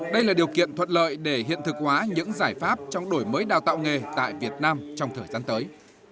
đây là điều kiện thuận lợi để hiện thực hóa những giải pháp trong đổi mới đào tạo nghề tại việt nam trong thời gian tới